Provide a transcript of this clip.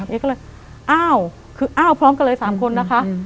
เอ๊ก็เลยอ้าวคืออ้าวพร้อมกันเลย๓คนนะคะ